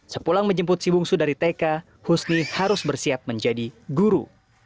sepulang menjemput si bungsu dari tk husni harus bersiap menjadi guru